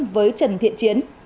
với trần thiện chiến